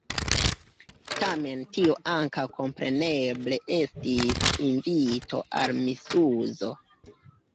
Tamen tio ankaŭ kompreneble estis invito al misuzo.